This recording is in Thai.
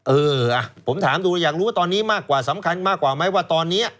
เออผมถามดูอยากรู้ตอนนี้มากกว่าสำคัญมากกว่าไหมว่าตอนนี้